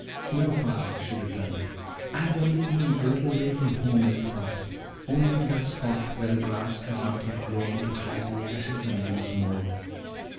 "No, father," she returned, "I have only been a little way from home in thought only to that spot where the grass has not yet grown to hide the ashes and loose mold."